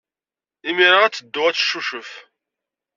Imir-a ad teddu ad teccucef.